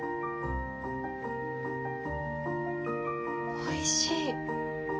おいしい。